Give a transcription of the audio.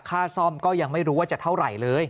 ค่าซ่อมก็ยังไม่รู้ว่าจะเท่าไหร่เลย